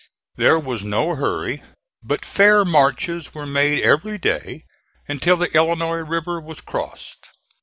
There was no hurry, but fair marches were made every day until the Illinois River was crossed.